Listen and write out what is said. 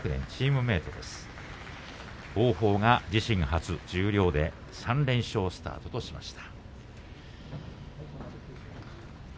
王鵬が自身初、十両で３連勝スタートとしました。